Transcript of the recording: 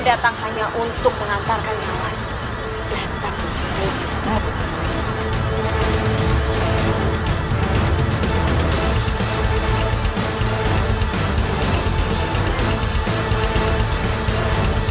datang hanya untuk mengantarkan yang lain